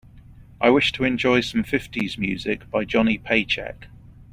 I wish to enjoy some fifties music by Johnny Paycheck.